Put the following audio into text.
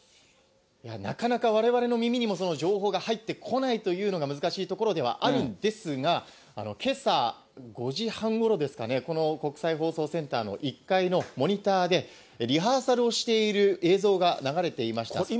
なかなかわれわれの耳にも情報が入ってこないというのが難しいところではあるんですが、けさ５時半ごろ、この国際放送センターの１階のモニターで、リハーサルをしている映像が流れていました。